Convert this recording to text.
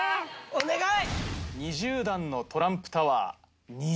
お願い。